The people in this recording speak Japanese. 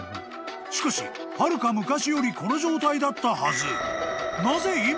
［しかしはるか昔よりこの状態だったはず］